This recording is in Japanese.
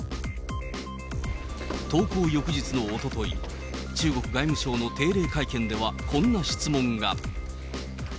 投稿翌日のおととい、中国外務省の定例会見ではこんな質問が。